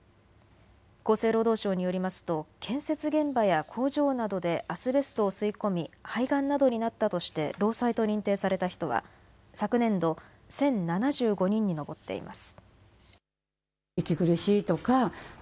厚生労働省によりますと建設現場や工場などでアスベストを吸い込み、肺がんなどになったとして労災と認定された人は昨年度、１０７５人に上っています。